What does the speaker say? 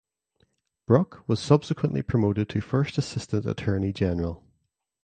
Bruck was subsequently promoted to First Assistant Attorney General.